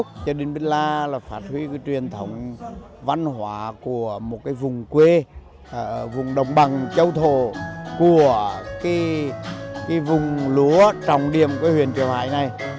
trợ đình bích la là phát huy truyền thống văn hóa của một vùng quê vùng đồng bằng châu thổ của vùng lúa trọng điểm của huyện triều hải này